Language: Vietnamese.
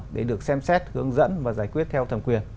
để được xem xét hướng dẫn và giải quyết theo thẩm quyền